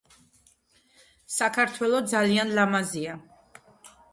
საქართველო ძალიან ლამაზია.